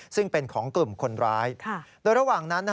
ซึ่งเป็นของกลุ่มคนร้ายโดยระหว่างนั้น